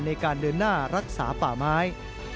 ในการเดินหน้ารักษาป่าไม้